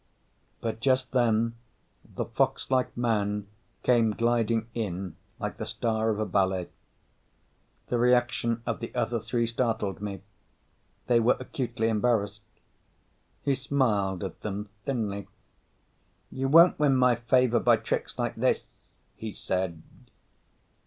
But just then the foxlike man came gliding in like the star of a ballet. The reaction of the other three startled me. They were acutely embarrassed. He smiled at them thinly. "You won't win my favor by tricks like this," he said.